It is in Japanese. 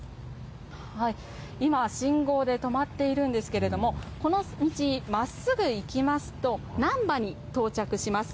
今、信号で止まっているんですけれども、この道、まっすぐ行きますと、難波に到着します。